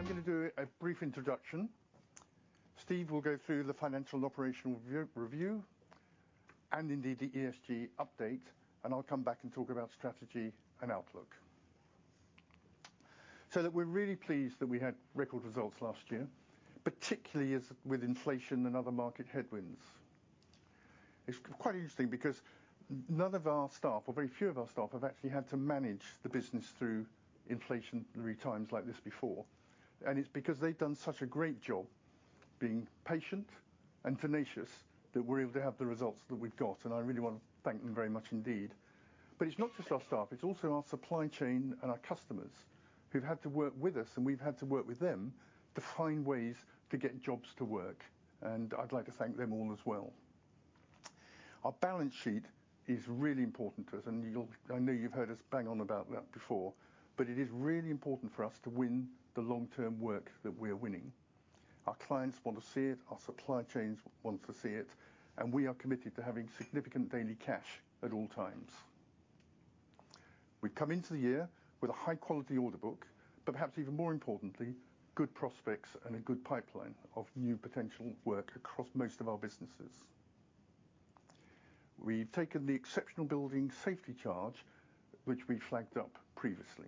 I'm gonna do a brief introduction. Steve will go through the financial and operational review and indeed the ESG update, and I'll come back and talk about strategy and outlook. Look, we're really pleased that we had record results last year, particularly as with inflation and other market headwinds. It's quite interesting because none of our staff or very few of our staff have actually had to manage the business through inflationary times like this before. It's because they've done such a great job being patient and tenacious that we're able to have the results that we've got, and I really want to thank them very much indeed. It's not just our staff, it's also our supply chain and our customers who've had to work with us, and we've had to work with them to find ways to get jobs to work. I'd like to thank them all as well. Our balance sheet is really important to us, and I know you've heard us bang on about that before, but it is really important for us to win the long-term work that we are winning. Our clients want to see it, our supply chains want to see it, and we are committed to having significant daily cash at all times We come into the year with a high quality order book, but perhaps even more importantly, good prospects and a good pipeline of new potential work across most of our businesses. We've taken the exceptional Building Safety Charge, which we flagged up previously.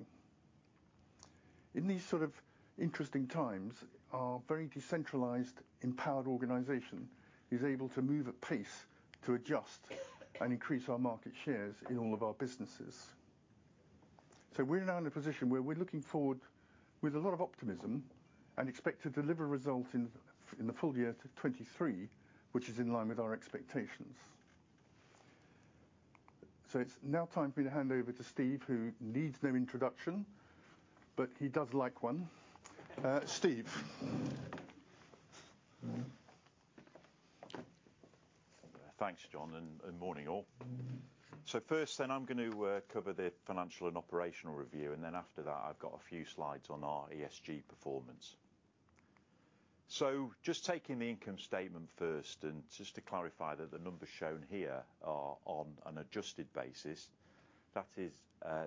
In these sort of interesting times, our very decentralized empowered organization is able to move apace to adjust and increase our market shares in all of our businesses. We're now in a position where we're looking forward with a lot of optimism and expect to deliver results in the full year to 2023, which is in line with our expectations. It's now time for me to hand over to Steve, who needs no introduction, but he does like one. Steve. Thanks, John, and morning all. First then, I'm gonna cover the financial and operational review, and then after that I've got a few slides on our ESG performance. Just taking the income statement first, and just to clarify that the numbers shown here are on an adjusted basis. That is,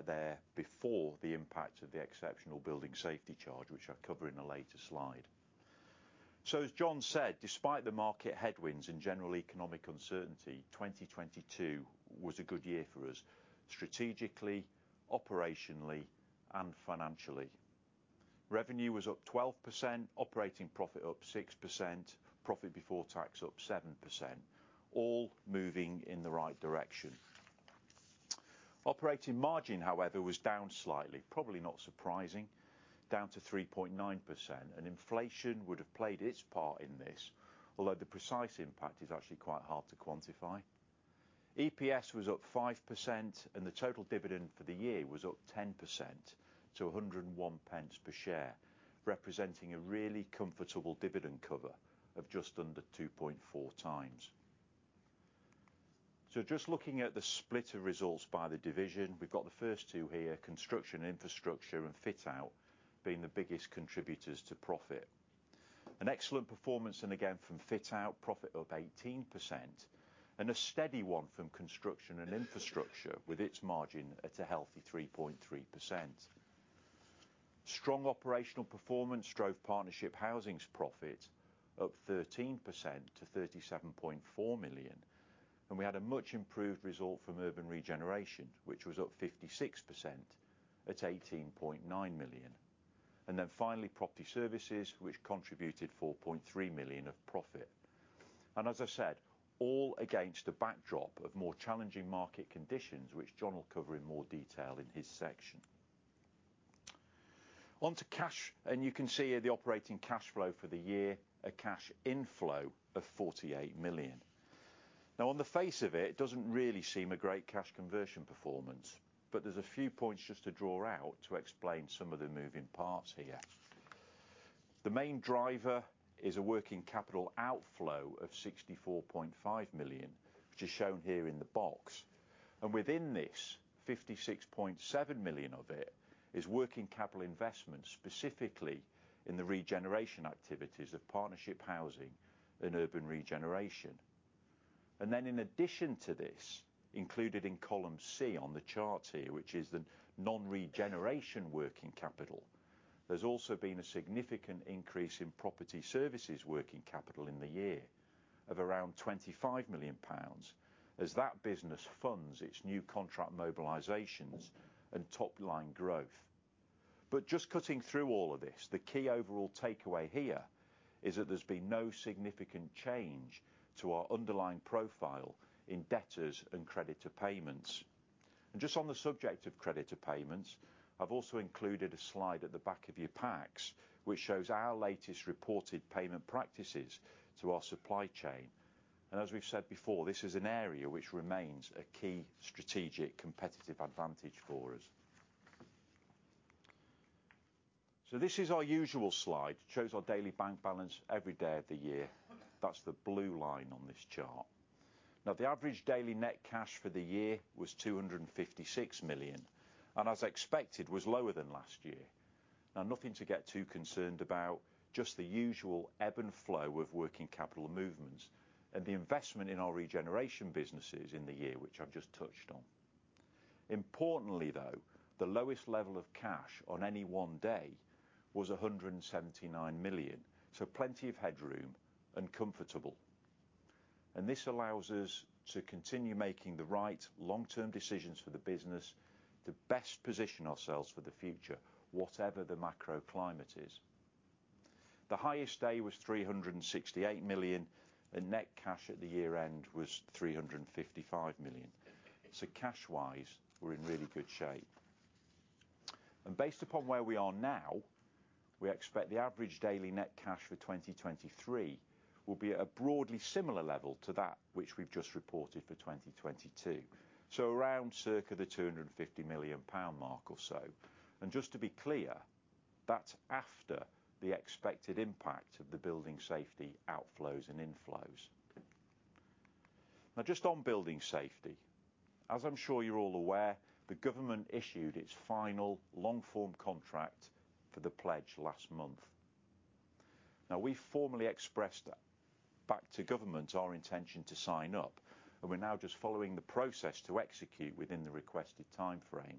they're before the impact of the exceptional Building Safety Charge, which I cover in a later slide. As John said, despite the market headwinds and general economic uncertainty, 2022 was a good year for us strategically, operationally and financially. Revenue was up 12%, operating profit up 6%, profit before tax up 7%, all moving in the right direction. Operating margin, however, was down slightly, probably not surprising, down to 3.9%. Inflation would have played its part in this, although the precise impact is actually quite hard to quantify. EPS was up 5%. The total dividend for the year was up 10% to 101 pence per share, representing a really comfortable dividend cover of just under 2.4 times. Just looking at the split of results by the division. We've got the first two here, Construction & Infrastructure and Fit Out being the biggest contributors to profit. An excellent performance. Again from Fit Out, profit up 18%. A steady one from Construction & Infrastructure with its margin at a healthy 3.3%. Strong operational performance drove Partnership Housing's profit up 13% to 37.4 million. We had a much improved result from Urban Regeneration, which was up 56% at 18.9 million. Finally Property Services, which contributed 4.3 million of profit. As I said, all against a backdrop of more challenging market conditions, which John will cover in more detail in his section. On to cash, and you can see the operating cash flow for the year, a cash inflow of 48 million. Now on the face of it doesn't really seem a great cash conversion performance, but there's a few points just to draw out to explain some of the moving parts here. The main driver is a working capital outflow of 64.5 million, which is shown here in the box. Within this, 56.7 million of it is working capital investment, specifically in the regeneration activities of Partnership Housing and Urban Regeneration. Then in addition to this, included in column C on the chart here, which is the non-regeneration working capital, there's also been a significant increase in Property Services working capital in the year of around 25 million pounds as that business funds its new contract mobilizations and top-line growth. Just cutting through all of this, the key overall takeaway here is that there's been no significant change to our underlying profile in debtors and creditor payments. Just on the subject of creditor payments, I've also included a slide at the back of your packs which shows our latest reported payment practices to our supply chain. As we've said before, this is an area which remains a key strategic competitive advantage for us. This is our usual slide. It shows our daily bank balance every day of the year. That's the blue line on this chart. The average daily net cash for the year was 256 million and as expected, was lower than last year. Nothing to get too concerned about, just the usual ebb and flow of working capital movements and the investment in our regeneration businesses in the year, which I've just touched on. Importantly though, the lowest level of cash on any one day was 179 million. Plenty of headroom and comfortable. This allows us to continue making the right long-term decisions for the business to best position ourselves for the future, whatever the macro climate is. The highest day was 368 million, and net cash at the year-end was 355 million. Cash-wise, we're in really good shape. Based upon where we are now, we expect the average daily net cash for 2023 will be at a broadly similar level to that which we've just reported for 2022. Around circa the 250 million pound mark or so. Just to be clear, that's after the expected impact of the Building Safety outflows and inflows. Just on Building Safety. As I'm sure you're all aware, the government issued its final long form contract for the Developer Pledge last month. We formally expressed back to government our intention to sign up, and we're now just following the process to execute within the requested timeframe.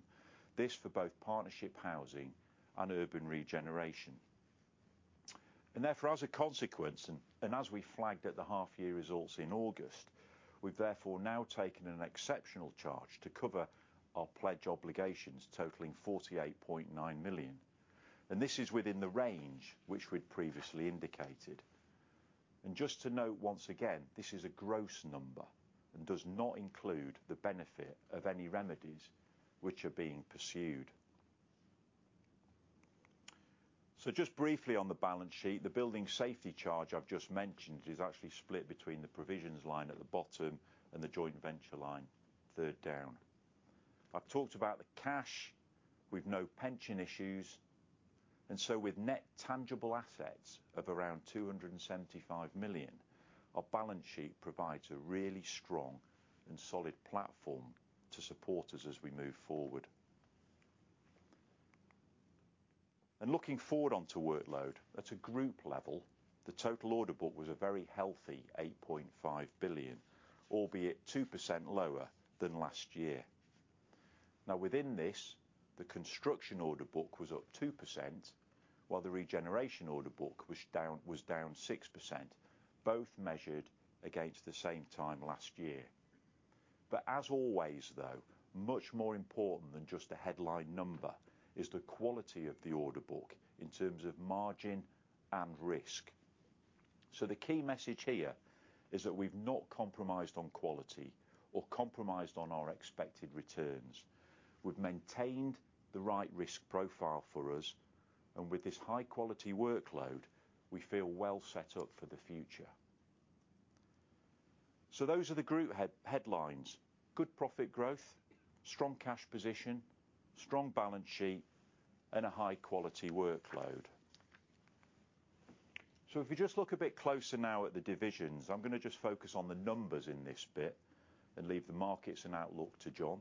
This for both Partnership Housing and Urban Regeneration. Therefore, as a consequence, as we flagged at the half year results in August, we've therefore now taken an exceptional charge to cover our pledge obligations totaling 48.9 million. This is within the range which we'd previously indicated. Just to note once again, this is a gross number and does not include the benefit of any remedies which are being pursued. Just briefly on the balance sheet, the Building Safety Charge I've just mentioned is actually split between the provisions line at the bottom and the joint venture line third down. I've talked about the cash. We've no pension issues, and so with net tangible assets of around 275 million, our balance sheet provides a really strong and solid platform to support us as we move forward. Looking forward onto workload. At a group level, the total order book was a very healthy 8.5 billion, albeit 2% lower than last year. Within this, the construction order book was up 2% while the regeneration order book was down 6%, both measured against the same time last year. As always, though, much more important than just the headline number is the quality of the order book in terms of margin and risk. The key message here is that we've not compromised on quality or compromised on our expected returns. We've maintained the right risk profile for us, and with this high quality workload, we feel well set up for the future. Those are the group headlines. Good profit growth, strong cash position, strong balance sheet, and a high quality workload. If you just look a bit closer now at the divisions, I'm gonna just focus on the numbers in this bit and leave the markets and outlook to John.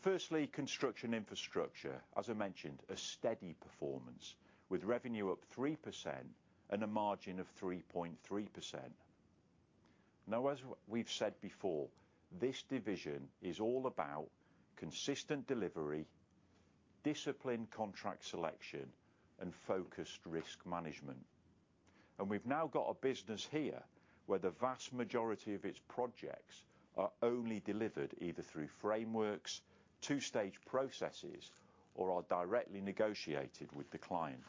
Firstly, Construction & Infrastructure, as I mentioned, a steady performance with revenue up 3% and a margin of 3.3%. As we've said before, this division is all about consistent delivery, disciplined contract selection, and focused risk management. We've now got a business here where the vast majority of its projects are only delivered either through frameworks, two-stage processes, or are directly negotiated with the client.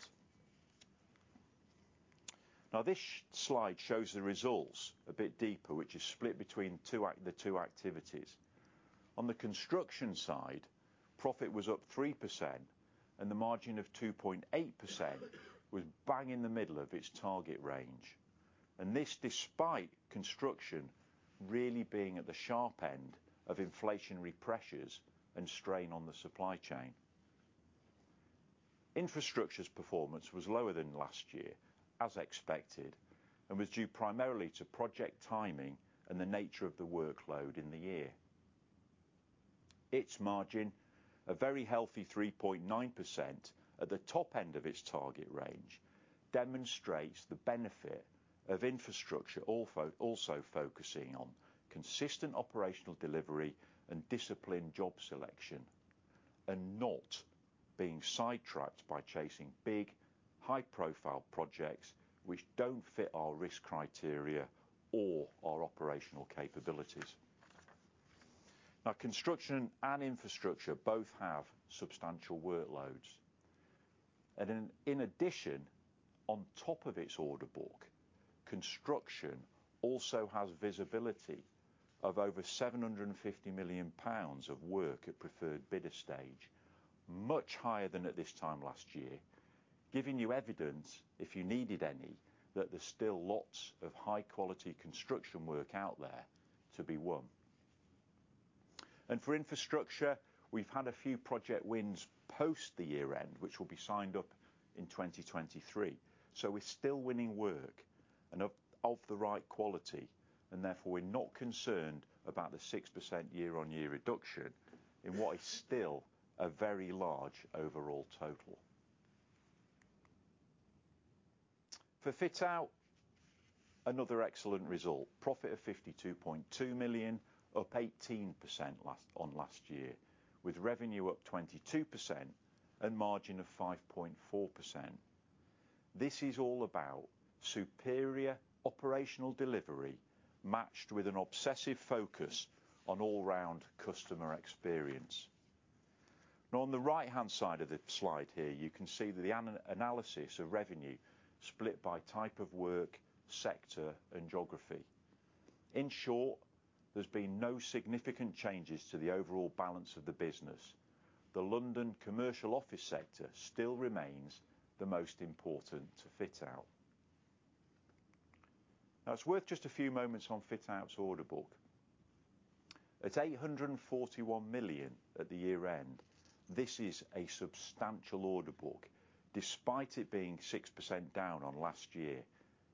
This slide shows the results a bit deeper, which is split between the two activities. On the construction side, profit was up 3% and the margin of 2.8% was bang in the middle of its target range. This despite construction really being at the sharp end of inflationary pressures and strain on the supply chain. Infrastructure's performance was lower than last year, as expected, and was due primarily to project timing and the nature of the workload in the year. Its margin, a very healthy 3.9% at the top end of its target range, demonstrates the benefit of Infrastructure also focusing on consistent operational delivery and disciplined job selection and not being sidetracked by chasing big, high profile projects which don't fit our risk criteria or our operational capabilities. Construction and Infrastructure both have substantial workloads. In addition, on top of its order book, construction also has visibility of over 750 million pounds of work at preferred bidder stage, much higher than at this time last year, giving you evidence, if you needed any, that there's still lots of high quality construction work out there to be won. For infrastructure, we've had a few project wins post the year end, which will be signed up in 2023. We're still winning work and of the right quality, and therefore, we're not concerned about the 6% year-on-year reduction in what is still a very large overall total. For Fit Out, another excellent result. Profit of 52.2 million, up 18% on last year, with revenue up 22% and margin of 5.4%. This is all about superior operational delivery matched with an obsessive focus on all round customer experience. On the right-hand side of the slide here, you can see the analysis of revenue split by type of work, sector and geography. In short, there's been no significant changes to the overall balance of the business. The London commercial office sector still remains the most important to Fit Out. It's worth just a few moments on Fit Out's order book. At 841 million at the year end, this is a substantial order book, despite it being 6% down on last year.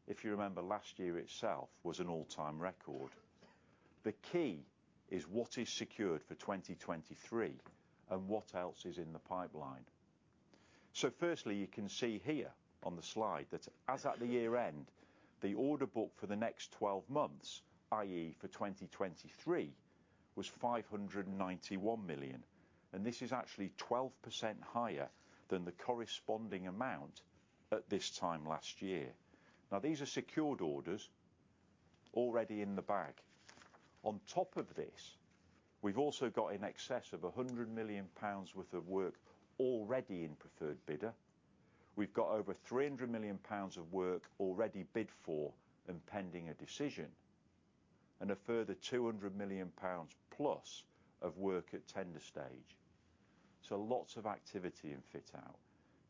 If you remember, last year itself was an all-time record. The key is what is secured for 2023 and what else is in the pipeline. Firstly, you can see here on the slide that as at the year end, the order book for the next 12 months, i.e. for 2023, was 591 million, and this is actually 12% higher than the corresponding amount at this time last year. These are secured orders already in the bag. On top of this, we've also got in excess of 100 million pounds worth of work already in preferred bidder. We've got over 300 million pounds of work already bid for and pending a decision, and a further 200 million pounds plus of work at tender stage. Lots of activity in Fit Out,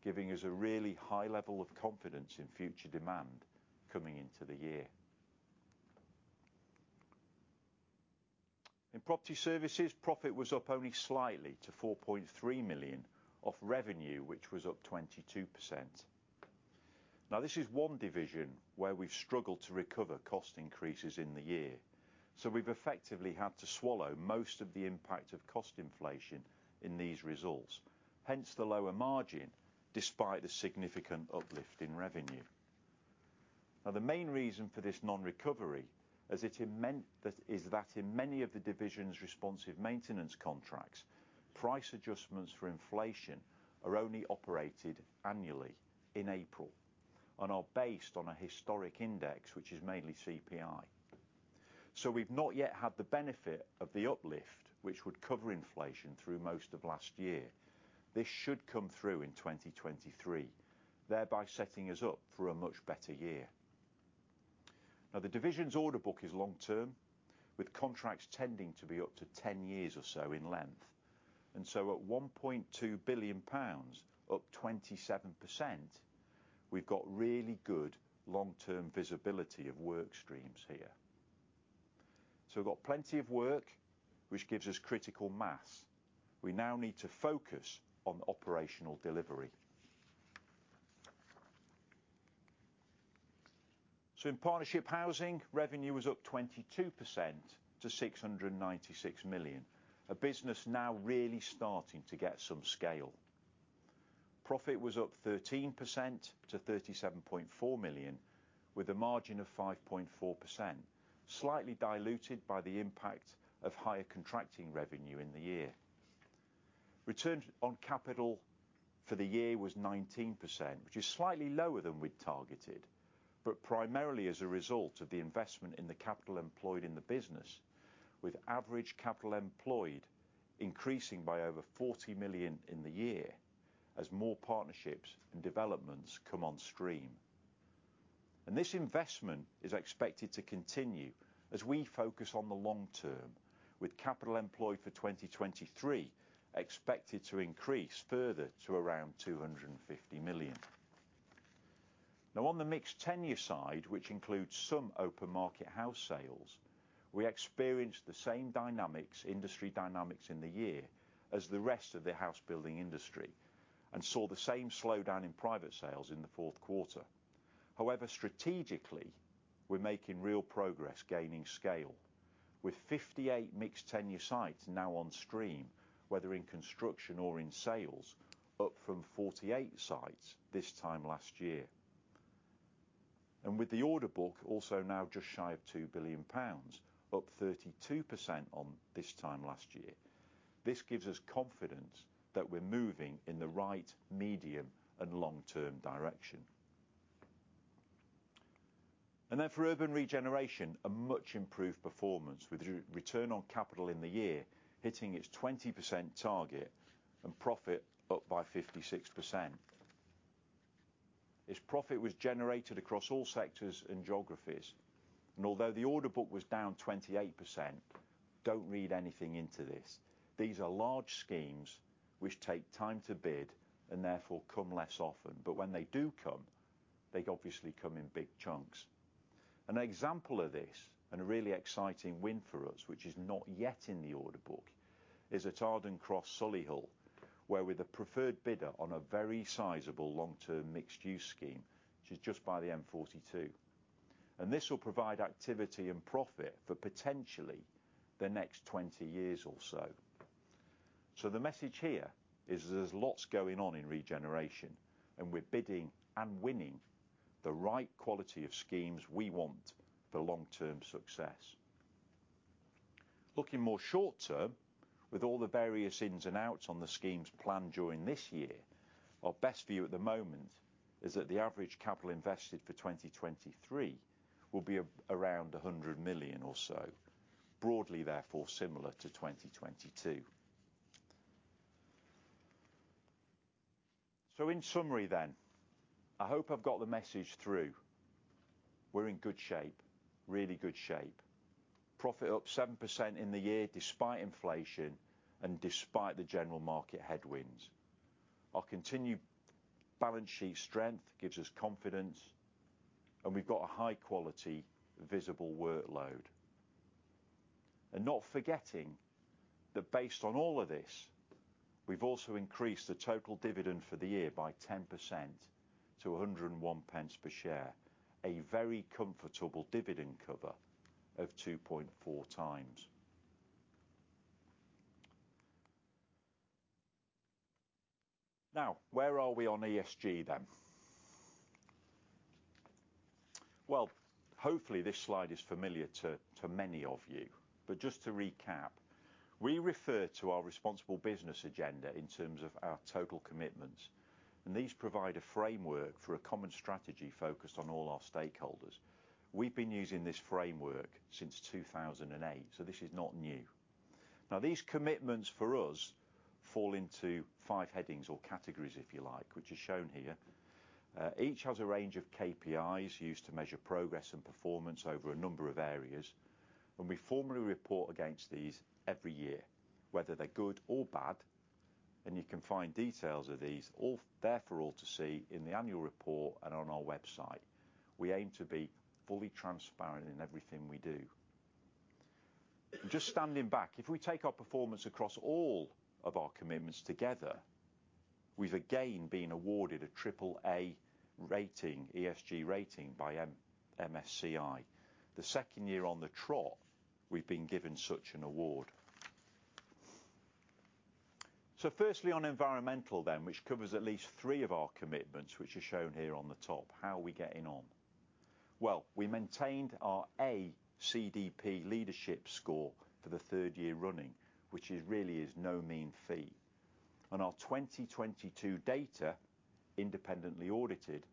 giving us a really high level of confidence in future demand coming into the year. In Property Services, profit was up only slightly to 4.3 million off revenue, which was up 22%. This is one division where we've struggled to recover cost increases in the year, so we've effectively had to swallow most of the impact of cost inflation in these results. Hence the lower margin despite the significant uplift in revenue. The main reason for this non-recovery is that in many of the divisions responsive maintenance contracts, price adjustments for inflation are only operated annually in April and are based on a historic index, which is mainly CPI. We've not yet had the benefit of the uplift, which would cover inflation through most of last year. This should come through in 2023, thereby setting us up for a much better year. The divisions order book is long term, with contracts tending to be up to 10 years or so in length. At 1.2 billion pounds, up 27%, we've got really good long-term visibility of work streams here. We've got plenty of work, which gives us critical mass. We now need to focus on operational delivery. In Partnership Housing, revenue was up 22% to 696 million. A business now really starting to get some scale. Profit was up 13% to 37.4 million with a margin of 5.4%, slightly diluted by the impact of higher contracting revenue in the year. Returns on capital for the year was 19%, which is slightly lower than we'd targeted, but primarily as a result of the investment in the capital employed in the business, with average capital employed increasing by over 40 million in the year as more partnerships and developments come on stream. This investment is expected to continue as we focus on the long term with capital employed for 2023 expected to increase further to around 250 million. Now on the mixed tenure side, which includes some open market house sales, we experienced the same dynamics, industry dynamics in the year as the rest of the house building industry and saw the same slowdown in private sales in the fourth quarter. However, strategically, we're making real progress gaining scale with 58 mixed tenure sites now on stream, whether in construction or in sales, up from 48 sites this time last year. With the order book also now just shy of 2 billion pounds, up 32% on this time last year, this gives us confidence that we're moving in the right medium and long term direction. For Urban Regeneration, a much improved performance with re-return on capital in the year hitting its 20% target and profit up by 56%. This profit was generated across all sectors and geographies. Although the order book was down 28%, don't read anything into this. These are large schemes which take time to bid and therefore come less often. When they do come, they obviously come in big chunks. An example of this and a really exciting win for us, which is not yet in the order book, is at Arden Cross, Solihull, where we're the preferred bidder on a very sizable long term mixed use scheme, which is just by the M42. This will provide activity and profit for potentially the next 20 years or so. The message here is there's lots going on in regeneration, and we're bidding and winning the right quality of schemes we want for long-term success. Looking more short term, with all the various ins and outs on the schemes planned during this year, our best view at the moment is that the average capital invested for 2023 will be around 100 million or so. Broadly, therefore, similar to 2022. In summary then, I hope I've got the message through. We're in good shape, really good shape. Profit up 7% in the year despite inflation and despite the general market headwinds. Our continued balance sheet strength gives us confidence, and we've got a high-quality visible workload. Not forgetting that based on all of this, we've also increased the total dividend for the year by 10% to 1.01 per share, a very comfortable dividend cover of 2.4 times. Where are we on ESG then? Hopefully this slide is familiar to many of you. Just to recap, we refer to our responsible business agenda in terms of our total commitments, and these provide a framework for a common strategy focused on all our stakeholders. We've been using this framework since 2008, so this is not new. These commitments for us fall into 5 headings or categories, if you like, which is shown here. Each has a range of KPIs used to measure progress and performance over a number of areas. We formally report against these every year, whether they're good or bad. You can find details of these all there for all to see in the annual report and on our website. We aim to be fully transparent in everything we do. Just standing back, if we take our performance across all of our commitments together, we've again been awarded a AAA rating, ESG rating by MSCI. The 2nd year on the trot we've been given such an award. Firstly on environmental then, which covers at least three of our commitments, which are shown here on the top. How are we getting on? Well, we maintained our A CDP leadership score for the 3rd year running, which really is no mean feat. Our 2022 data, independently audited,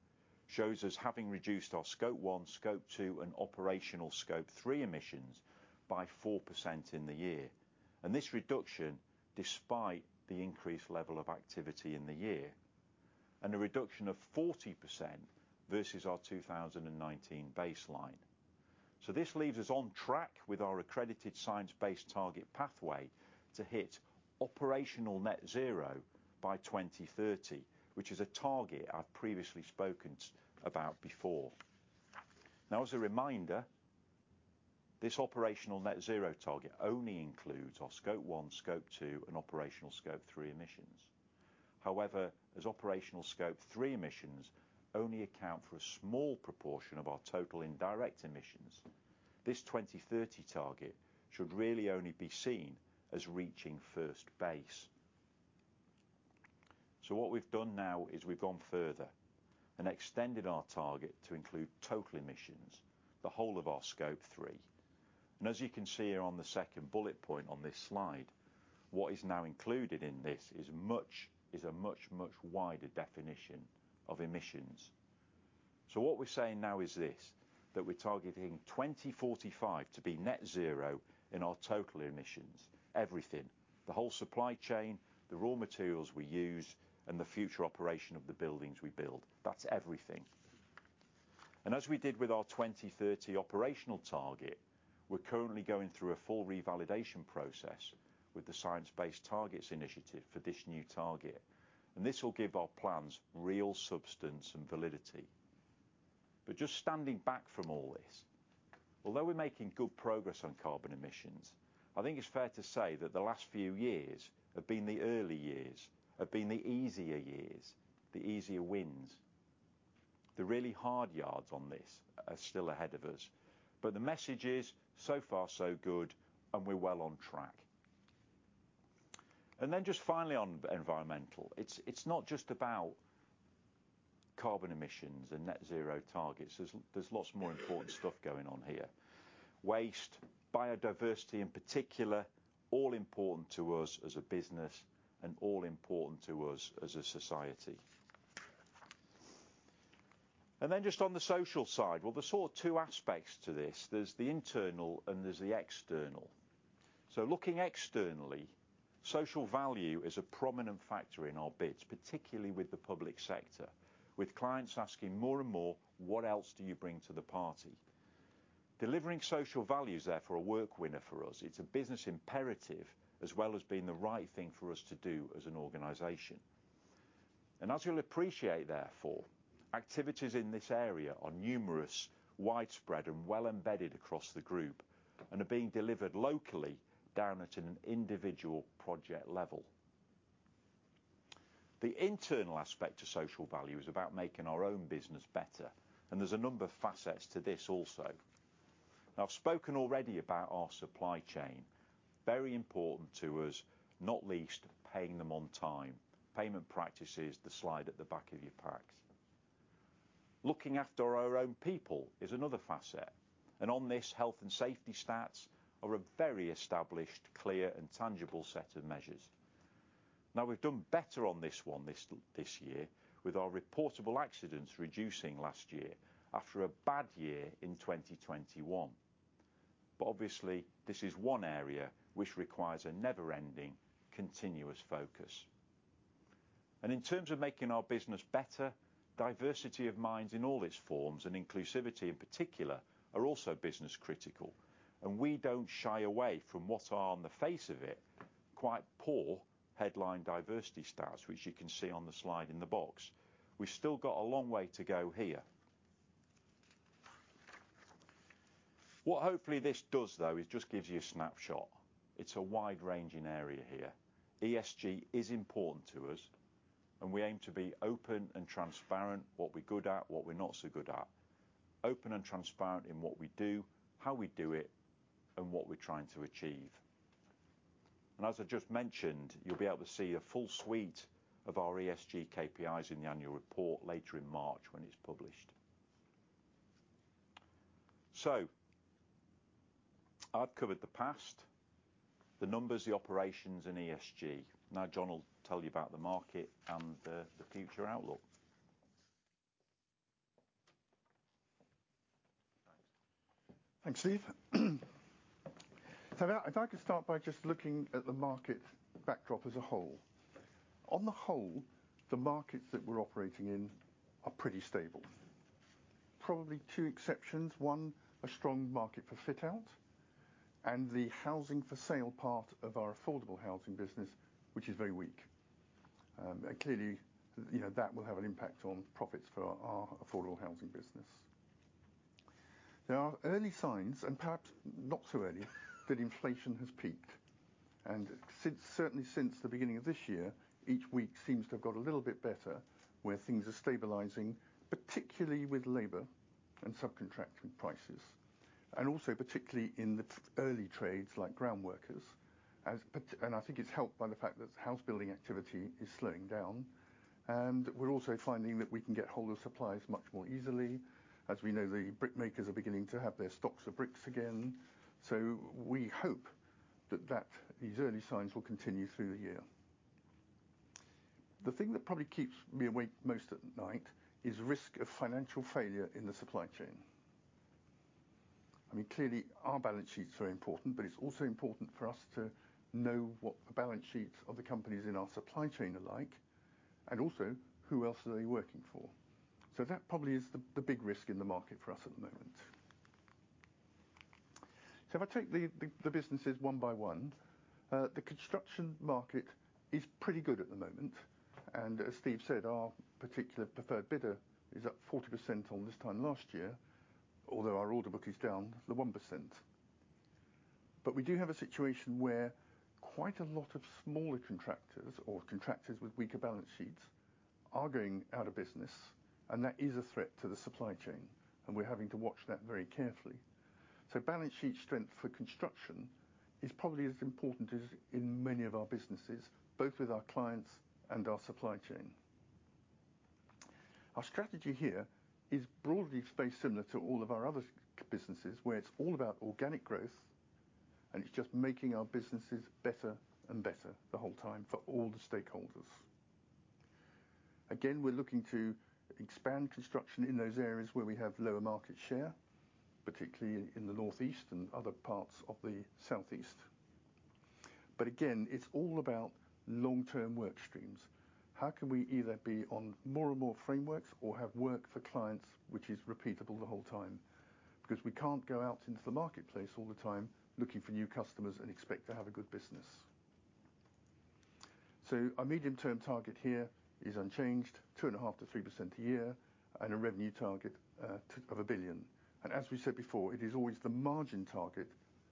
shows us having reduced our Scope 1, Scope 2 and operational Scope 3 emissions by 4% in the year. This reduction despite the increased level of activity in the year, and a reduction of 40% versus our 2019 baseline. This leaves us on track with our accredited science-based target pathway to hit operational net zero by 2030, which is a target I've previously spoken about before. As a reminder, this operational net zero target only includes our Scope 1, Scope 2 and operational Scope 3 emissions. As operational Scope 3 emissions only account for a small proportion of our total indirect emissions, this 2030 target should really only be seen as reaching first base. What we've done now is we've gone further and extended our target to include total emissions, the whole of our Scope 3. As you can see here on the second bullet point on this slide, what is now included in this is a much, much wider definition of emissions. What we're saying now is this, that we're targeting 2045 to be net zero in our total emissions. Everything. The whole supply chain, the raw materials we use, and the future operation of the buildings we build. That's everything. As we did with our 2030 operational target, we're currently going through a full revalidation process with the Science Based Targets initiative for this new target, and this will give our plans real substance and validity. Just standing back from all this, although we're making good progress on carbon emissions, I think it's fair to say that the last few years have been the early years, have been the easier years, the easier wins. The really hard yards on this are still ahead of us. The message is so far so good and we're well on track. Then just finally on environmental. It's not just about carbon emissions and net zero targets. There's lots more important stuff going on here. Waste, biodiversity in particular, all important to us as a business and all important to us as a society. Then just on the social side, well, there's sort of two aspects to this. There's the internal and there's the external. Looking externally, social value is a prominent factor in our bids, particularly with the public sector, with clients asking more and more, "What else do you bring to the party?" Delivering social value is therefore a work winner for us. It's a business imperative, as well as being the right thing for us to do as an organization. As you'll appreciate therefore, activities in this area are numerous, widespread and well embedded across the group and are being delivered locally down at an individual project level. The internal aspect to social value is about making our own business better, and there's a number of facets to this also. I've spoken already about our supply chain. Very important to us, not least paying them on time. Payment practice is the slide at the back of your packs. Looking after our own people is another facet. On this, health and safety stats are a very established, clear, and tangible set of measures. Now, we've done better on this one this year with our reportable accidents reducing last year after a bad year in 2021. Obviously, this is one area which requires a never-ending continuous focus. In terms of making our business better, diversity of minds in all its forms, and inclusivity in particular, are also business critical. We don't shy away from what are, on the face of it, quite poor headline diversity stats, which you can see on the slide in the box. We've still got a long way to go here. What hopefully this does, though, is just gives you a snapshot. It's a wide-ranging area here. ESG is important to us. We aim to be open and transparent, what we're good at, what we're not so good at. Open and transparent in what we do, how we do it, and what we're trying to achieve. As I just mentioned, you'll be able to see a full suite of our ESG KPIs in the annual report later in March when it's published. I've covered the past, the numbers, the operations, and ESG. Now John will tell you about the market and the future outlook. Thanks, Steve. If I could start by just looking at the market backdrop as a whole. On the whole, the markets that we're operating in are pretty stable. Probably 2 exceptions. 1, a strong market for Fit Out and the housing for sale part of our affordable housing business, which is very weak. Clearly, you know, that will have an impact on profits for our affordable housing business. There are early signs, and perhaps not so early, that inflation has peaked. Since, certainly since the beginning of this year, each week seems to have got a little bit better where things are stabilizing, particularly with labor and subcontracting prices, and also particularly in the early trades like ground workers. I think it's helped by the fact that house building activity is slowing down. We're also finding that we can get hold of supplies much more easily. As we know, the brick makers are beginning to have their stocks of bricks again. We hope that these early signs will continue through the year. The thing that probably keeps me awake most at night is risk of financial failure in the supply chain. I mean, clearly, our balance sheet's very important, but it's also important for us to know what the balance sheets of the companies in our supply chain are like, and also who else are they working for. That probably is the big risk in the market for us at the moment. If I take the businesses one by one, the construction market is pretty good at the moment. As Steve said, our particular preferred bidder is up 40% on this time last year. Our order book is down 1%. We do have a situation where quite a lot of smaller contractors or contractors with weaker balance sheets are going out of business, and that is a threat to the supply chain, and we're having to watch that very carefully. Balance sheet strength for construction is probably as important as in many of our businesses, both with our clients and our supply chain. Our strategy here is broadly very similar to all of our other businesses, where it's all about organic growth, and it's just making our businesses better and better the whole time for all the stakeholders. We're looking to expand construction in those areas where we have lower market share, particularly in the Northeast and other parts of the Southeast. Again, it's all about long-term work streams. How can we either be on more and more frameworks or have work for clients which is repeatable the whole time? We can't go out into the marketplace all the time looking for new customers and expect to have a good business. Our medium term target here is unchanged, 2.5%-3% a year, and a revenue target of 1 billion. As we said before, it is always the margin target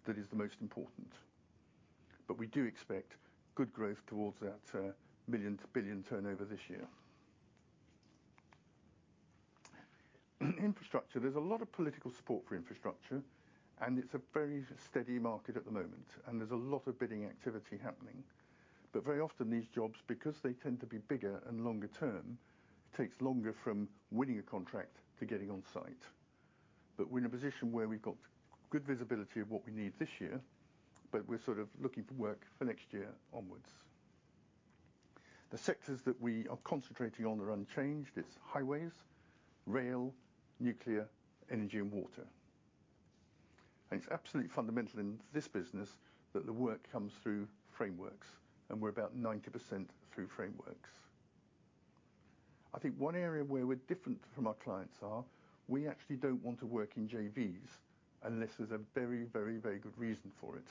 that is the most important. We do expect good growth towards that million to billion turnover this year. Infrastructure, there's a lot of political support for infrastructure. It's a very steady market at the moment. There's a lot of bidding activity happening. Very often these jobs, because they tend to be bigger and longer term, takes longer from winning a contract to getting on site. We're in a position where we've got good visibility of what we need this year, but we're sort of looking for work for next year onwards. The sectors that we are concentrating on are unchanged. It's highways, rail, nuclear, energy and water. It's absolutely fundamental in this business that the work comes through frameworks, and we're about 90% through frameworks. I think one area where we're different from our clients are we actually don't want to work in JVs unless there's a very, very, very good reason for it.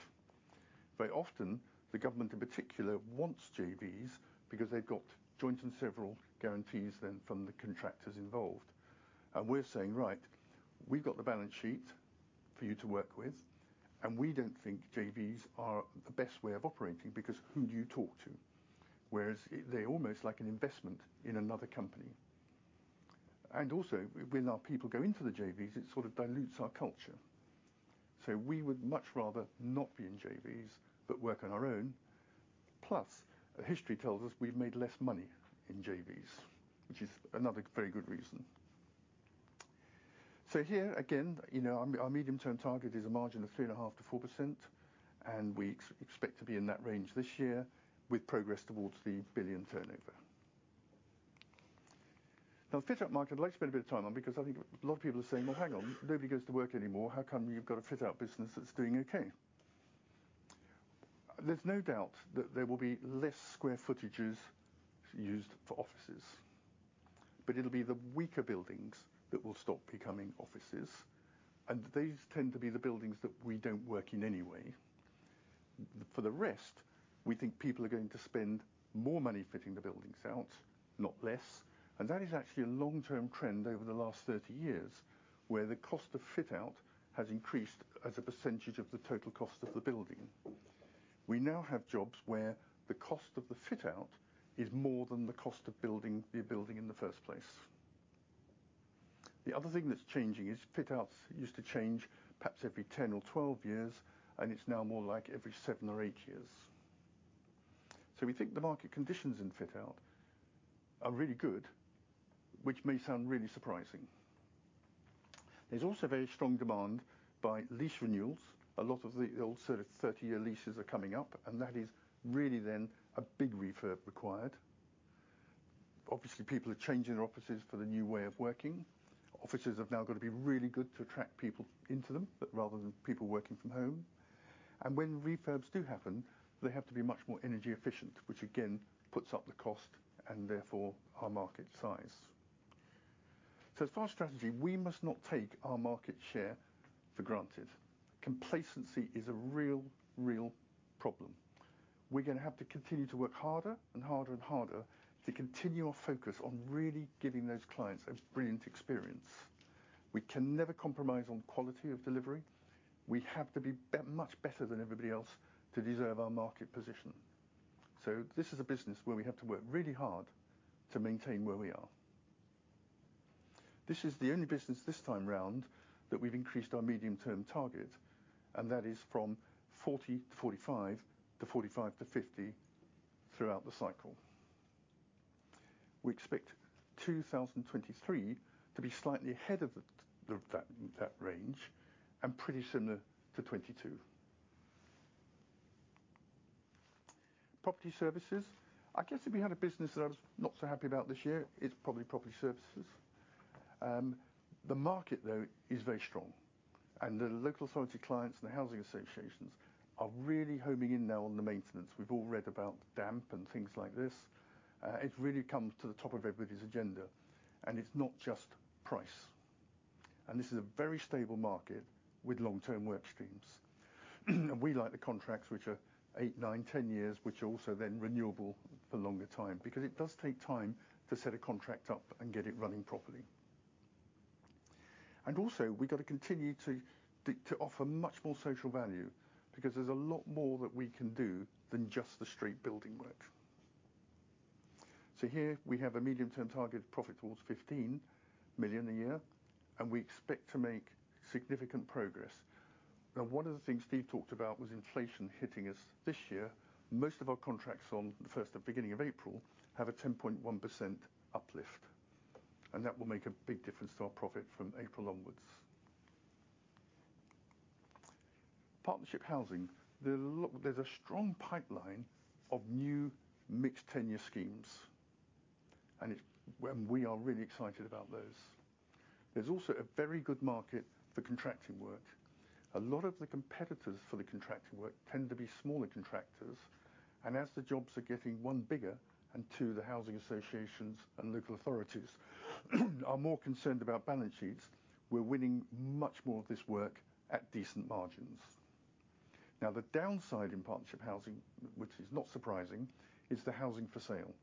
Very often, the government in particular wants JVs because they've got joint and several guarantees then from the contractors involved. We're saying, "Right, we've got the balance sheet for you to work with, and we don't think JVs are the best way of operating because who do you talk to? Whereas they're almost like an investment in another company. Also, when our people go into the JVs, it sort of dilutes our culture. We would much rather not be in JVs but work on our own. Plus, history tells us we've made less money in JVs, which is another very good reason. Here again, you know, our medium-term target is a margin of 3.5%-4%, and we expect to be in that range this year with progress towards 1 billion turnover. Fit Out market, I'd like to spend a bit of time on because I think a lot of people are saying, "Well, hang on, nobody goes to work anymore. How come you've got a Fit Out business that's doing okay?" There's no doubt that there will be less square footages used for offices. It'll be the weaker buildings that will stop becoming offices, and these tend to be the buildings that we don't work in anyway. For the rest, we think people are going to spend more money fitting the buildings out, not less, and that is actually a long-term trend over the last 30 years, where the cost of fit out has increased as a percentage of the total cost of the building. We now have jobs where the cost of the fit out is more than the cost of building the building in the first place. The other thing that's changing is fit outs used to change perhaps every 10 or 12 years. It's now more like every 7 or 8 years. We think the market conditions in fit out are really good, which may sound really surprising. There's also very strong demand by lease renewals. A lot of the old sort of 30-year leases are coming up, that is really then a big refurb required. Obviously, people are changing their offices for the new way of working. Offices have now got to be really good to attract people into them, but rather than people working from home. When refurbs do happen, they have to be much more energy efficient, which again, puts up the cost and therefore our market size. As far as strategy, we must not take our market share for granted. Complacency is a real problem. We're gonna have to continue to work harder and harder and harder to continue our focus on really giving those clients a brilliant experience. We can never compromise on quality of delivery. We have to be much better than everybody else to deserve our market position. This is a business where we have to work really hard to maintain where we are. This is the only business this time round that we've increased our medium-term target, and that is from 40-45 to 45-50 throughout the cycle. We expect 2023 to be slightly ahead of the that range and pretty similar to 2022. Property Services. I guess if we had a business that I was not so happy about this year, it's probably Property Services. The market though is very strong, and the local authority clients and the housing associations are really homing in now on the maintenance. We've all read about the damp and things like this. It's really come to the top of everybody's agenda, and it's not just price. This is a very stable market with long-term work streams. We like the contracts which are 8, 9, 10 years, which are also then renewable for longer time, because it does take time to set a contract up and get it running properly. Also, we gotta continue to offer much more social value because there's a lot more that we can do than just the straight building work. Here we have a medium-term target profit towards 15 million a year, and we expect to make significant progress. Now, one of the things Steve talked about was inflation hitting us this year. Most of our contracts on the first or beginning of April have a 10.1% uplift, that will make a big difference to our profit from April onwards. Partnership Housing. There's a strong pipeline of new mixed tenure schemes, we are really excited about those. There's also a very good market for contracting work. A lot of the competitors for the contracting work tend to be smaller contractors, as the jobs are getting, one, bigger, and two, the housing associations and local authorities are more concerned about balance sheets, we're winning much more of this work at decent margins. Now, the downside in Partnership Housing, which is not surprising, is the housing for sale.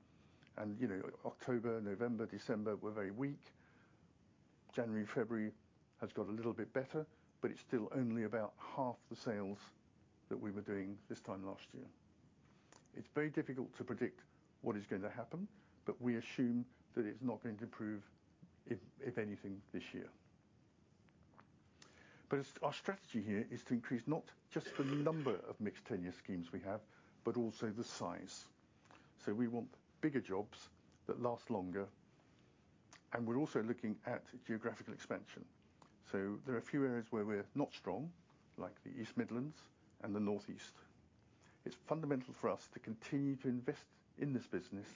You know, October, November, December were very weak. January, February has got a little bit better, it's still only about half the sales that we were doing this time last year. It's very difficult to predict what is gonna happen, we assume that it's not going to improve if anything, this year. It's our strategy here is to increase not just the number of mixed tenure schemes we have, but also the size. We want bigger jobs that last longer, and we're also looking at geographical expansion. There are a few areas where we're not strong, like the East Midlands and the Northeast. It's fundamental for us to continue to invest in this business,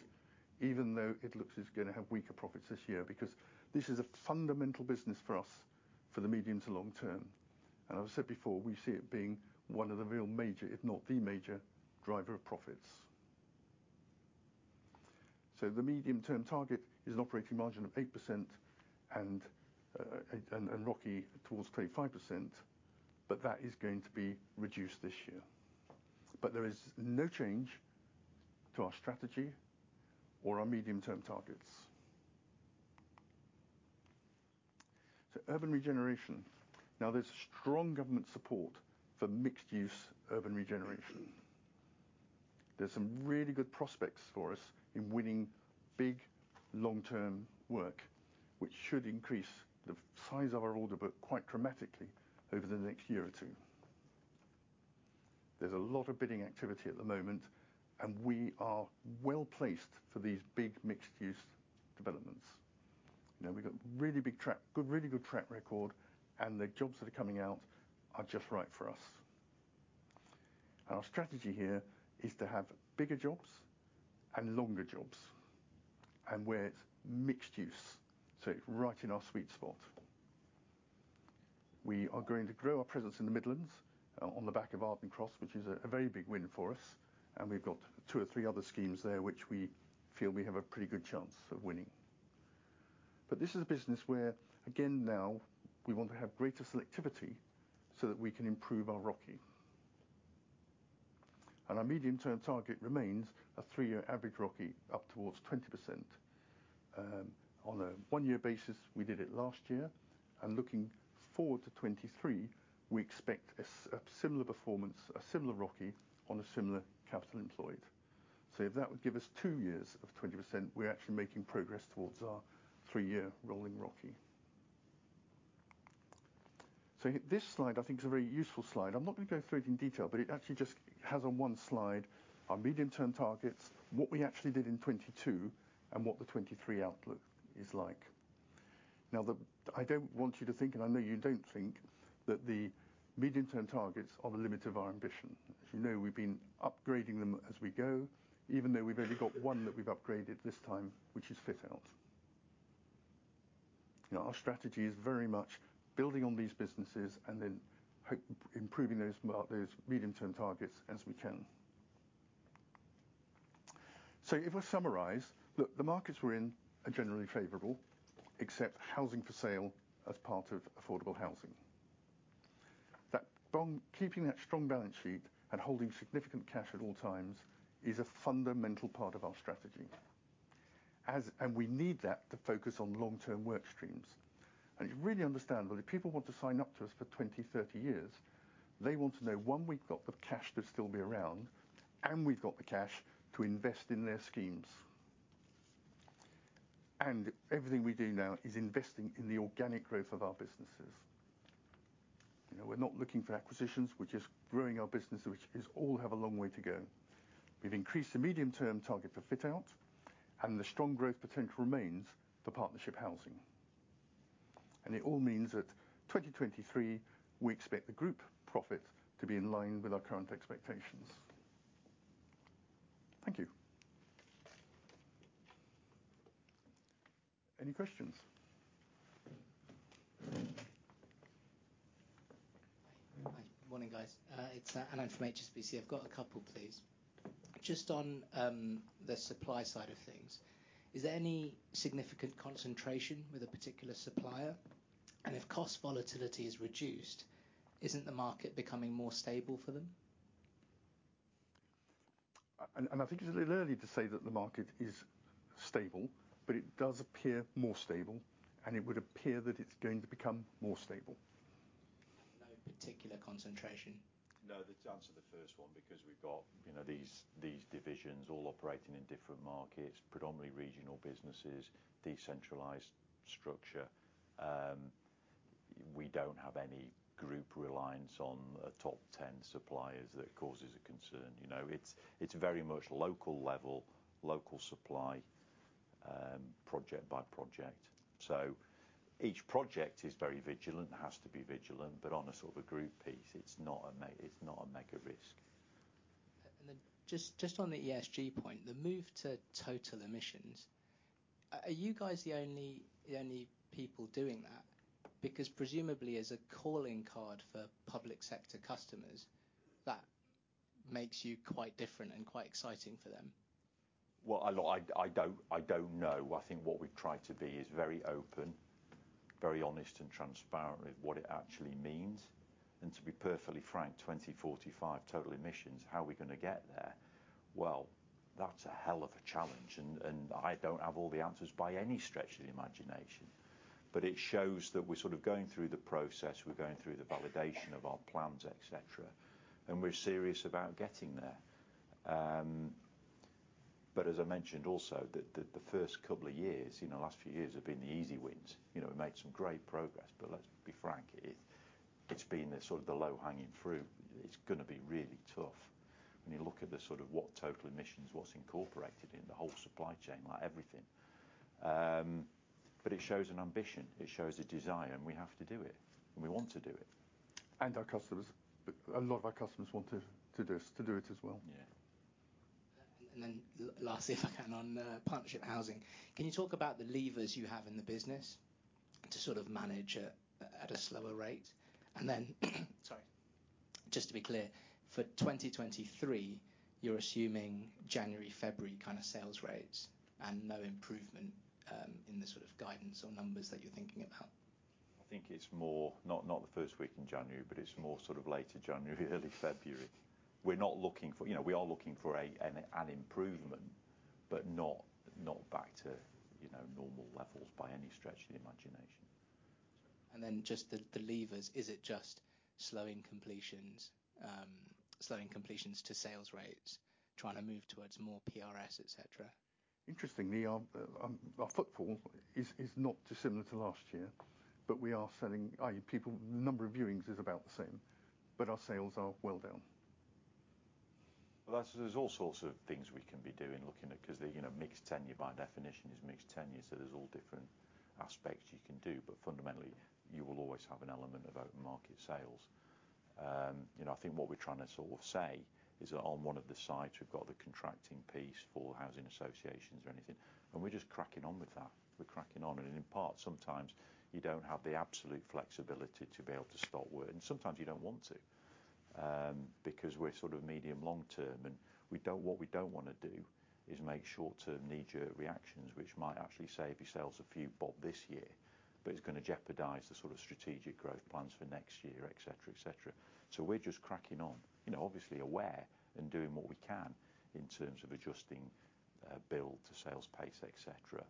even though it looks it's gonna have weaker profits this year because this is a fundamental business for us for the medium to long term. I've said before, we see it being one of the real major, if not the major driver of profits. The medium-term target is an operating margin of 8% and rocky towards 25%, but that is going to be reduced this year. There is no change to our strategy or our medium-term targets. Urban Regeneration. There's strong government support for mixed use Urban Regeneration. There's some really good prospects for us in winning big long-term work, which should increase the size of our order book quite dramatically over the next year or two. There's a lot of bidding activity at the moment, and we are well-placed for these big mixed use developments. We've got really good track record, and the jobs that are coming out are just right for us. Our strategy here is to have bigger jobs and longer jobs and where it's mixed use, so right in our sweet spot. We are going to grow our presence in the Midlands, on the back of Arden Cross, which is a very big win for us, and we've got two or three other schemes there which we feel we have a pretty good chance of winning. This is a business where, again now, we want to have greater selectivity so that we can improve our ROCE. Our medium term target remains a three-year average ROCE up towards 20%. On a one-year basis, we did it last year, and looking forward to 2023, we expect a similar performance, a similar ROCE on a similar capital employed. If that would give us 2 years of 20%, we're actually making progress towards our 3-year rolling ROCE. This slide, I think, is a very useful slide. I'm not going to go through it in detail, but it actually just has on one slide our medium-term targets, what we actually did in 2022, and what the 2023 outlook is like. I don't want you to think, and I know you don't think that the medium-term targets are the limit of our ambition. As you know, we've been upgrading them as we go, even though we've only got one that we've upgraded this time, which is Fit Out. You know, our strategy is very much building on these businesses and then improving those medium-term targets as we can. If I summarize, look, the markets we're in are generally favorable, except housing for sale as part of affordable housing. Keeping that strong balance sheet and holding significant cash at all times is a fundamental part of our strategy. We need that to focus on long-term work streams. It's really understandable, if people want to sign up to us for 20, 30 years, they want to know, one, we've got the cash to still be around, and we've got the cash to invest in their schemes. Everything we do now is investing in the organic growth of our businesses. You know, we're not looking for acquisitions, we're just growing our business, which is all have a long way to go. We've increased the medium-term target for Fit Out and the strong growth potential remains for Partnership Housing. It all means that 2023, we expect the group profit to be in line with our current expectations. Thank you. Any questions? Hi. Morning, guys. It's Alan from HSBC. I've got a couple, please. Just on the supply side of things, is there any significant concentration with a particular supplier? If cost volatility is reduced, isn't the market becoming more stable for them? I think it's a little early to say that the market is stable, but it does appear more stable, and it would appear that it's going to become more stable. No particular concentration? No, the answer to the first one, because we've got, you know, these divisions all operating in different markets, predominantly regional businesses, decentralized structure. We don't have any group reliance on a top 10 suppliers that causes a concern. You know, it's very much local level, local supply, project by project. Each project is very vigilant. It has to be vigilant, but on a sort of a group piece, it's not a mega risk. Just on the ESG point, the move to total emissions, are you guys the only people doing that? Because presumably as a calling card for public sector customers, that makes you quite different and quite exciting for them. I don't, I don't know. I think what we've tried to be is very open, very honest and transparent with what it actually means, and to be perfectly frank, 2045 total emissions, how are we gonna get there? That's a hell of a challenge, and I don't have all the answers by any stretch of the imagination. It shows that we're sort of going through the process, we're going through the validation of our plans, et cetera, and we're serious about getting there. As I mentioned also that the first couple of years, you know, last few years have been the easy wins. You know, we made some great progress, but let's be frank, it's been the sort of the low hanging fruit. It's gonna be really tough when you look at the sort of what total emissions, what's incorporated in the whole supply chain, like everything. It shows an ambition, it shows a desire, and we have to do it, and we want to do it. Our customers, a lot of our customers want to do it as well. Yeah. Lastly, if I can on Partnership Housing, can you talk about the levers you have in the business to sort of manage at a slower rate? Sorry, just to be clear, for 2023, you're assuming January, February kind of sales rates and no improvement in the sort of guidance or numbers that you're thinking about? I think it's more not the first week in January, but it's more sort of later January, early February. You know, we are looking for an improvement, but not back to, you know, normal levels by any stretch of the imagination. Just the levers, is it just slowing completions, slowing completions to sales rates, trying to move towards more PRS, et cetera? Interestingly, our footfall is not dissimilar to last year, but we are selling, i.e., people, the number of viewings is about the same, but our sales are well down. Well, there's all sorts of things we can be doing, looking at, 'cause they're, you know, mixed tenure by definition is mixed tenure, there's all different aspects you can do. Fundamentally, you will always have an element of open market sales. You know, I think what we're trying to sort of say is that on one of the sides, we've got the contracting piece for housing associations or anything, we're just cracking on with that. We're cracking on. In part sometimes you don't have the absolute flexibility to be able to stop work, and sometimes you don't want to, because we're sort of medium long-term. What we don't wanna do is make short-term knee-jerk reactions, which might actually save your sales a few bob this year, but it's gonna jeopardize the sort of strategic growth plans for next year, et cetera, et cetera. We're just cracking on. You know, obviously aware and doing what we can in terms of adjusting build to sales pace, et cetera.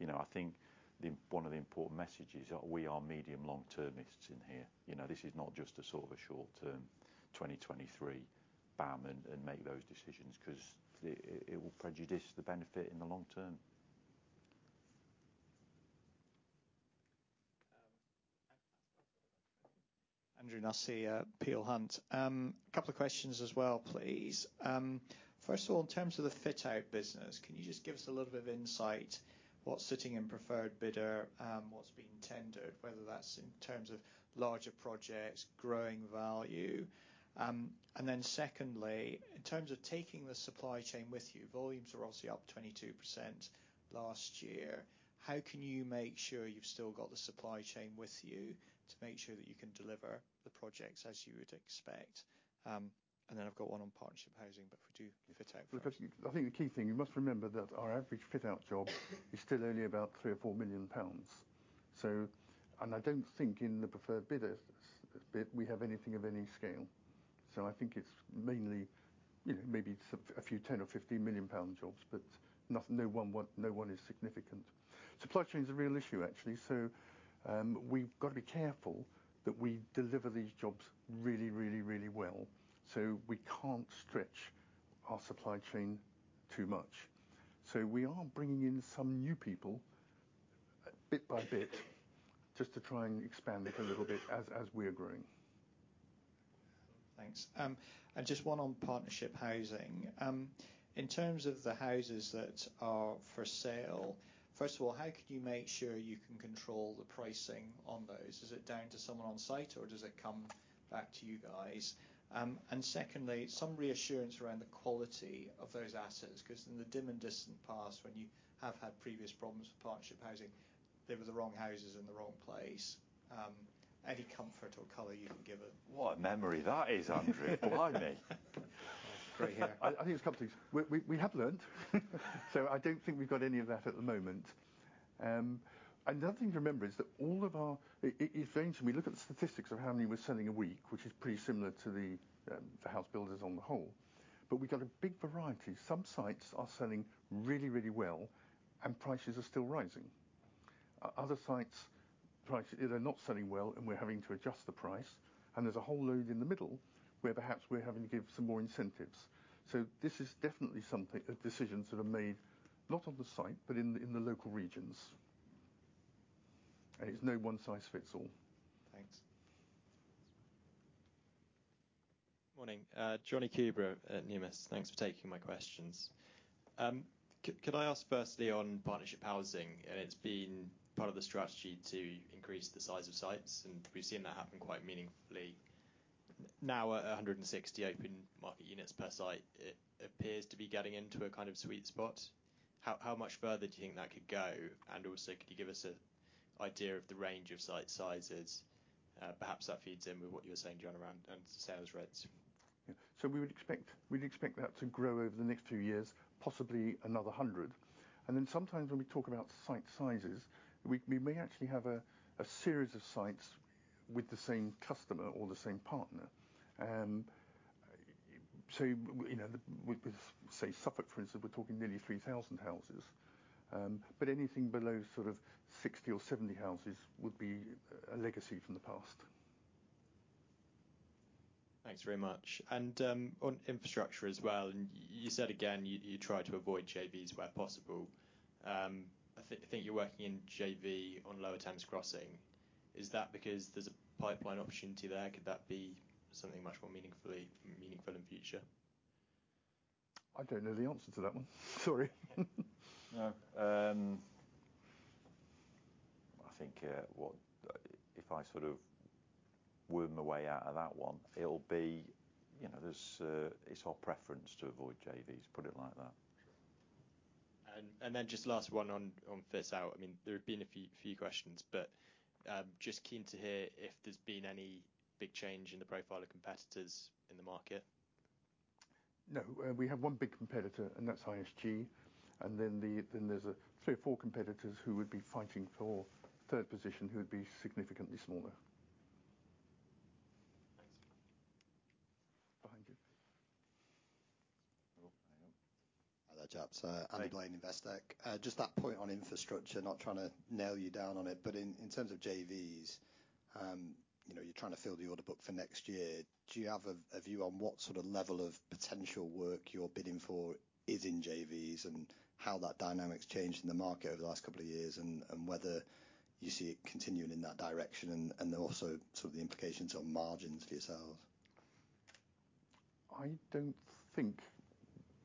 You know, I think the, one of the important messages are we are medium long-termists in here. You know, this is not just a sort of a short-term 2023 bam and make those decisions, 'cause it will prejudice the benefit in the long term. Andrew, nice to see ya. Peel Hunt. A couple of questions as well, please. First of all, in terms of the Fit Out business, can you just give us a little bit of insight what's sitting in preferred bidder, what's been tendered, whether that's in terms of larger projects, growing value? Secondly, in terms of taking the supply chain with you, volumes are obviously up 22% last year. How can you make sure you've still got the supply chain with you to make sure that you can deliver the projects as you would expect? I've got one on Partnership Housing, but if we do Fit Out first. Look, I think the key thing, you must remember that our average fit-out job is still only about 3 or 4 million. I don't think in the preferred bidders bit, we have anything of any scale. I think it's mainly, you know, maybe sort of a few 10 or 15 million jobs, but nothing, no one is significant. Supply chain's a real issue, actually, we've got to be careful that we deliver these jobs really, really, really well. We can't stretch our supply chain too much. We are bringing in some new people bit by bit, just to try and expand it a little bit as we're growing. Thanks. Just one on Partnership Housing. In terms of the houses that are for sale, first of all, how can you make sure you can control the pricing on those? Is it down to someone on site, or does it come back to you guys? Secondly, some reassurance around the quality of those assets, 'cause in the dim and distant past when you have had previous problems with Partnership Housing, they were the wrong houses in the wrong place. Any comfort or color you can give us? What a memory that is, Andrew. Blimey. Great. I think there's a couple of things. We have learnt. I don't think we've got any of that at the moment. Another thing to remember is that If things, when we look at the statistics of how many we're selling a week, which is pretty similar to the house builders on the whole, but we've got a big variety. Some sites are selling really, really well and prices are still rising. Other sites, prices either not selling well and we're having to adjust the price, and there's a whole load in the middle where perhaps we're having to give some more incentives. This is definitely something, decisions that are made not on the site, but in the, in the local regions. It's no one size fits all. Thanks. Morning. Jonny Coubrough at Numis. Thanks for taking my questions. Could I ask firstly on Partnership Housing, and it's been part of the strategy to increase the size of sites, and we've seen that happen quite meaningfully. Now at 160 open market units per site, it appears to be getting into a kind of sweet spot. How much further do you think that could go? Also, could you give us an idea of the range of site sizes? Perhaps that feeds in with what you were saying, John, around sales rates. Yeah. We'd expect that to grow over the next few years, possibly another 100. Sometimes when we talk about site sizes, we may actually have a series of sites with the same customer or the same partner. you know, with say Suffolk, for instance, we're talking nearly 3,000 houses. Anything below sort of 60 or 70 houses would be a legacy from the past. Thanks very much. On infrastructure as well, you said again, you try to avoid JVs where possible. I think you're working in JV on Lower Thames Crossing. Is that because there's a pipeline opportunity there? Could that be something much more meaningful in future? I don't know the answer to that one. Sorry. No. I think, what, if I sort of worm my way out of that one, it'll be, you know, there's, it's our preference to avoid JVs. Put it like that. Sure. Then just last one on fit-out. I mean, there have been a few questions, but just keen to hear if there's been any big change in the profile of competitors in the market? No. We have one big competitor, and that's ISG. There's three or four competitors who would be fighting for third position who would be significantly smaller. Thanks. Behind you. Oh, hang on. Hi there, chap. Hi Aynsley Lammin, Investec. Just that point on infrastructure, not trying to nail you down on it, but in terms of JVs, you know, you're trying to fill the order book for next year, do you have a view on what sort of level of potential work you're bidding for is in JVs and how that dynamic's changed in the market over the last couple of years and whether you see it continuing in that direction and then also sort of the implications on margins for yourselves? I don't think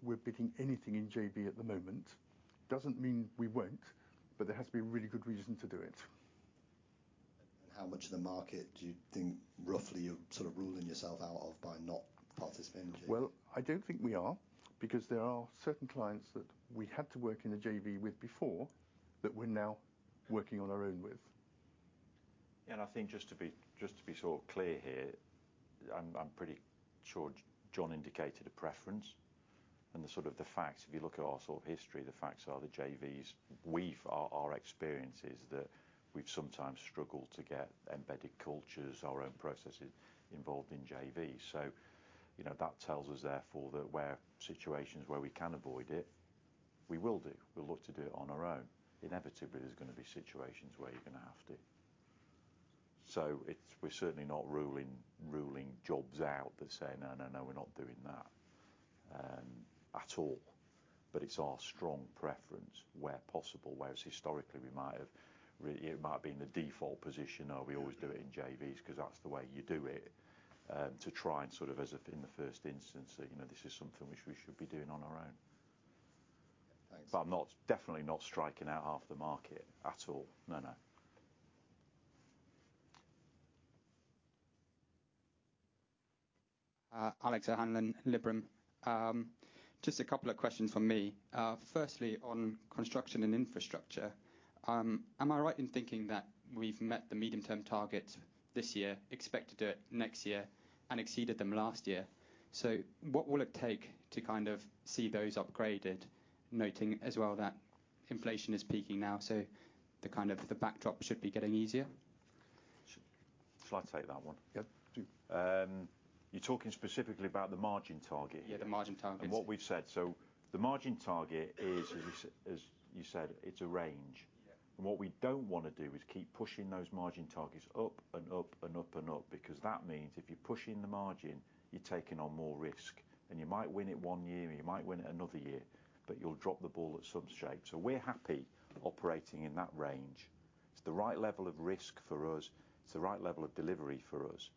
we're bidding anything in JV at the moment. Doesn't mean we won't, but there has to be a really good reason to do it. How much of the market do you think roughly you're sort of ruling yourself out of by not participating? Well, I don't think we are because there are certain clients that we had to work in the JV with before that we're now working on our own with. I think just to be sort of clear here, I'm pretty sure John indicated a preference and the sort of the facts, if you look at our sort of history, the facts are the JVs our experience is that we've sometimes struggled to get embedded cultures, our own processes involved in JVs. You know, that tells us therefore that where situations where we can avoid it, we will do. We'll look to do it on our own. Inevitably, there's gonna be situations where you're gonna have to. We're certainly not ruling jobs out. They're saying, "No, no, we're not doing that," at all. It's our strong preference where possible, whereas historically it might have been the default position, oh, we always do it in JVs 'cause that's the way you do it, to try and sort of as if in the first instance that, you know, this is something which we should be doing on our own. Thanks. I'm not, definitely not striking out half the market at all. No, no. Alex O'Hanlon, Liberum. Just a couple of questions from me. Firstly, on Construction & Infrastructure, am I right in thinking that we've met the medium-term target this year, expect to do it next year, and exceeded them last year? What will it take to kind of see those upgraded, noting as well that inflation is peaking now, so the kind of the backdrop should be getting easier? Shall I take that one? Yep. Do. You're talking specifically about the margin target here. Yeah, the margin targets. What we've said, the margin target is, as you said, it's a range. Yeah. What we don't wanna do is keep pushing those margin targets up and up and up and up, because that means if you're pushing the margin, you're taking on more risk. You might win it one year, and you might win it another year, but you'll drop the ball at some shape. We're happy operating in that range. It's the right level of risk for us. It's the right level of delivery for us.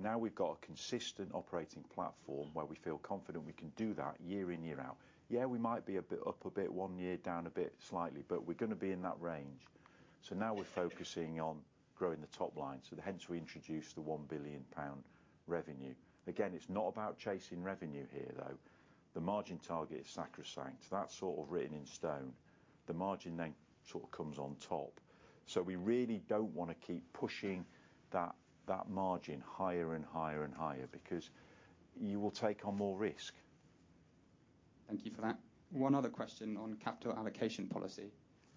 Now we've got a consistent operating platform where we feel confident we can do that year in, year out. Yeah, we might be a bit up a bit one year, down a bit slightly, but we're gonna be in that range. Now we're focusing on growing the top line, so hence we introduced the 1 billion pound revenue. Again, it's not about chasing revenue here, though. The margin target is sacrosanct. That's sort of written in stone. The margin then sort of comes on top. We really don't wanna keep pushing that margin higher and higher and higher because you will take on more risk. Thank you for that. One other question on capital allocation policy.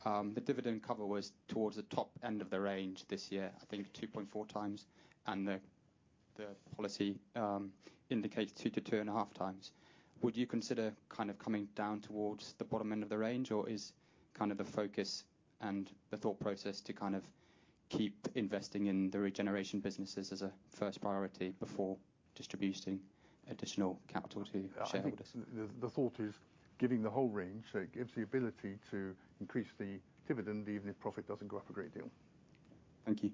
The dividend cover was towards the top end of the range this year, I think 2.4 times, and the policy indicates 2-2.5 times. Would you consider kind of coming down towards the bottom end of the range, or is kind of the focus and the thought process to kind of keep investing in the regeneration businesses as a first priority before distributing additional capital to shareholders? I think the thought is giving the whole range, so it gives the ability to increase the dividend even if profit doesn't go up a great deal. Thank you.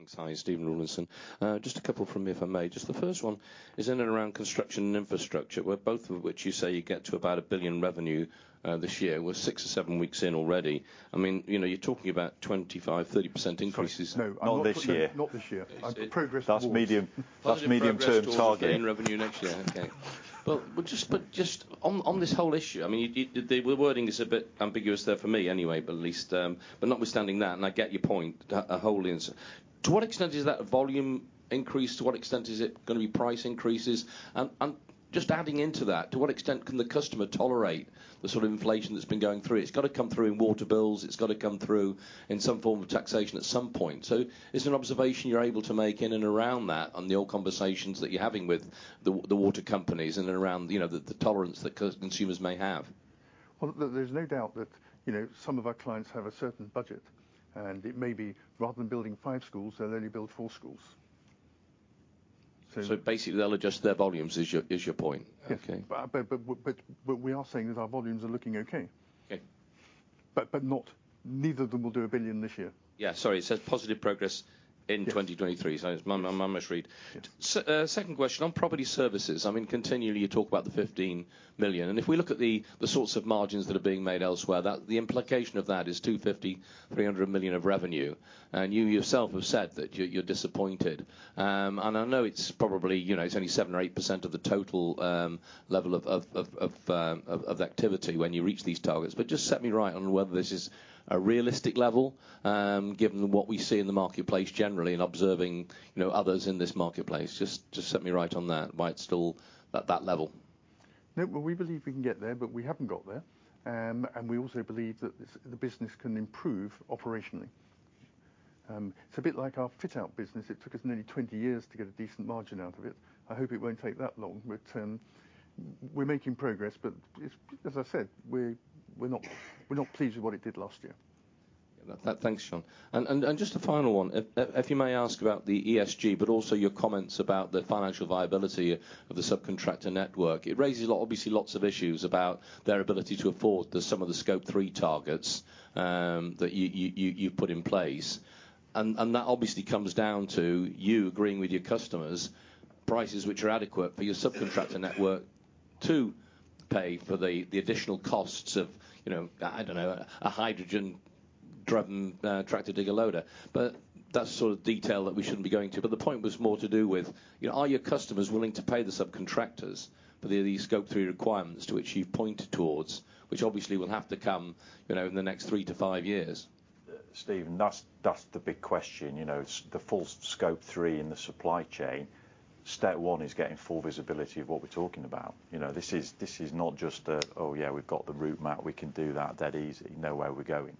Thanks. Hi, Stephen Rawlinson. Just a couple from me, if I may. Just the first one is in and around Construction & Infrastructure, where both of which you say you get to about 1 billion revenue this year. We're six or seven weeks in already. I mean, you know, you're talking about 25%-30% increases- Sorry, no. Not this year. Not this year. Okay. I said progress towards. That's medium, that's medium-term target. Progress towards getting revenue next year. Just on this whole issue, I mean, you the wording is a bit ambiguous there for me anyway. Notwithstanding that, and I get your point a whole answer. To what extent is that a volume increase? To what extent is it gonna be price increases? Just adding into that, to what extent can the customer tolerate the sort of inflation that's been going through? It's gotta come through in water bills. It's gotta come through in some form of taxation at some point. Is there an observation you're able to make in and around that on the old conversations that you're having with the water companies and around, you know, the tolerance that consumers may have? Well, there's no doubt that, you know, some of our clients have a certain budget, and it may be rather than building 5 schools, they'll only build 4 schools. Basically, they'll adjust their volumes is your, is your point. Yes. Okay. We are saying that our volumes are looking okay. Okay. Not, neither of them will do 1 billion this year. Yeah, sorry, it says positive progress in 2023. Yes. It's misread. Good. Second question on Property Services, I mean, continually you talk about the 15 million, if we look at the sorts of margins that are being made elsewhere, the implication of that is 250 million-300 million of revenue. You yourself have said that you're disappointed. I know it's probably, you know, it's only 7% or 8% of the total level of activity when you reach these targets, but just set me right on whether this is a realistic level, given what we see in the marketplace generally and observing, you know, others in this marketplace. Just set me right on that, why it's still at that level? No, well, we believe we can get there, but we haven't got there. We also believe that this, the business can improve operationally. It's a bit like our Fit Out business. It took us nearly 20 years to get a decent margin out of it. I hope it won't take that long, but we're making progress. As I said, we're not pleased with what it did last year. That. Thanks, John. Just a final one. If you may ask about the ESG, but also your comments about the financial viability of the subcontractor network. It raises a lot, obviously, lots of issues about their ability to afford the some of the Scope 3 targets that you've put in place. That obviously comes down to you agreeing with your customers prices which are adequate for your subcontractor network to pay for the additional costs of, you know, I don't know, a hydrogen-driven tractor digger loader, but that's sort of detail that we shouldn't be going to. The point was more to do with, you know, are your customers willing to pay the subcontractors for the Scope 3 requirements to which you've pointed towards, which obviously will have to come, you know, in the next 3-5 years? Steve, that's the big question. You know, the full Scope 3 in the supply chain, step 1 is getting full visibility of what we're talking about. You know, this is, this is not just a, "Oh yeah, we've got the route map. We can do that dead easy. Know where we're going."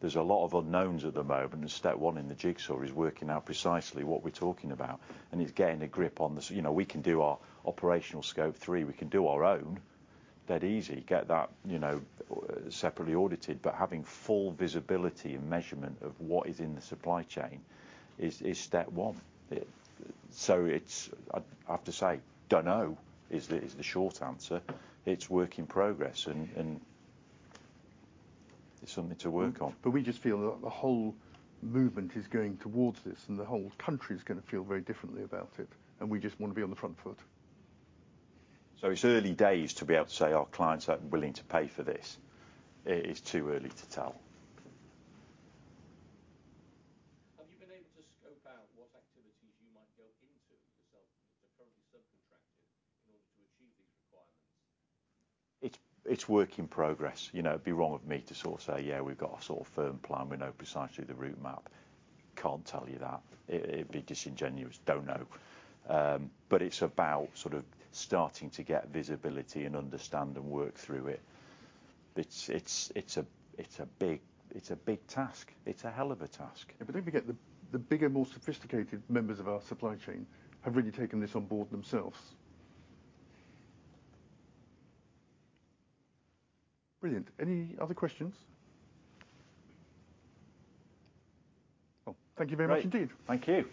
There's a lot of unknowns at the moment, step 1 in the jigsaw is working out precisely what we're talking about and is getting a grip on the... You know, we can do our operational Scope 3, we can do our own dead easy, get that, you know, separately audited. Having full visibility and measurement of what is in the supply chain is step 1. It's... I have to say, don't know is the, is the short answer. It's work in progress and it's something to work on. We just feel that the whole movement is going towards this, and the whole country is gonna feel very differently about it, and we just wanna be on the front foot. It's early days to be able to say our clients are willing to pay for this. It is too early to tell. Have you been able to scope out what activities you might go into yourself that are currently subcontracted in order to achieve these requirements? It's work in progress. You know, it'd be wrong of me to sort of say, "Yeah, we've got a sort of firm plan. We know precisely the route map." Can't tell you that. It'd be disingenuous. Don't know. It's about sort of starting to get visibility and understand and work through it. It's a big task. It's a hell of a task. Don't forget, the bigger, more sophisticated members of our supply chain have really taken this on board themselves. Brilliant. Any other questions? Thank you very much indeed. Thank you.